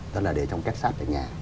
đó là để trong kết sắt ở nhà